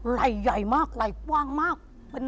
ไหล่ใหญ่มากไหล่กว้างมาก